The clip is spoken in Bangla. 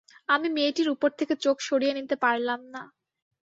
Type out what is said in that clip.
আমি মেয়েটির উপর থেকে চোখ সরিয়ে নিতে পারলাম না।